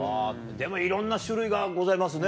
でもいろんな種類がございますね。